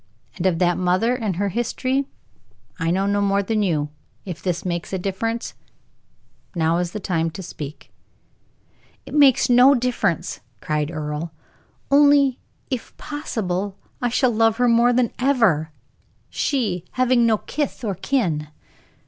And of that mother and her history I know no more than you. If this makes a difference, now is the time to speak." "It makes no difference," cried Earle; "only, if possible, I shall love her more than ever, she having no kith or kin."